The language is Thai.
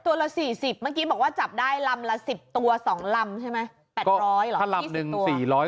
ตัวละ๔๐เมื่อกี้บอกว่าจับได้ลำละ๑๐ตัว๒ลำใช่ไหม๘๐๐เหรอ